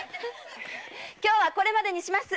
今日はこれまでにします。